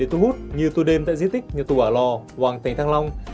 để thu hút như tui đêm tại di tích như tù ả lò hoàng tành thang long